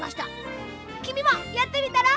きみもやってみたら？